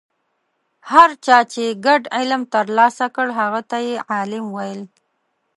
هر چا چې ګډ علم ترلاسه کړ هغه ته یې عالم ویل.